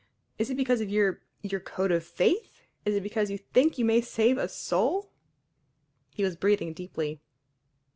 Is it because of your your code of faith? Is it because you think you may save a soul?" He was breathing deeply.